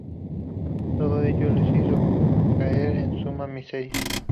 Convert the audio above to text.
Todo ello les hizo caer en suma miseria.